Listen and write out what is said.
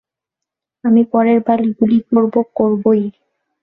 আমি পরের বার গুলি করব, করবোই।